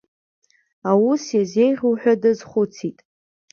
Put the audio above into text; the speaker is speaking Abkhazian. Аус иазеиӷьу ҳәа дазхәыцит.